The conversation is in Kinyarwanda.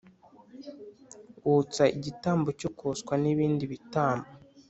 wotsa igitambo cyo koswa n’ibindi bitambo.